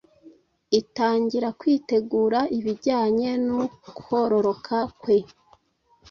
itangira kwitegura ibijyanye n’ukororoka kwe.